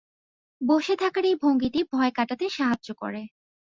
বসে থাকার এই ভঙ্গিটি ভয় কাটাতে সাহায্য করে।